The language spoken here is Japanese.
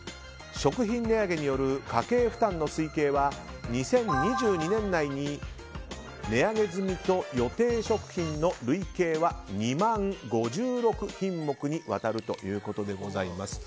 食品値上げによる家計負担の推計は２０２０年内に値上げ済みと予定食品の累計は２万５６品目にわたるということでございます。